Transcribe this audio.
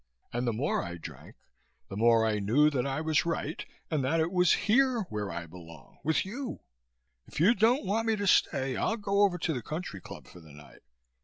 And the more I drank the more I knew that I was right and that it was here where I belong, with you. If you don't want me to stay, I'll go over to the Country Club for the night.